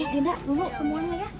dinda dulu semuanya ya